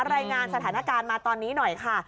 รายงานสถานการณ์มาตอนนี้หน่อยค่ะ